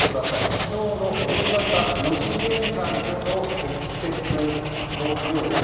昨日の夕方４時現在の積雪の量です。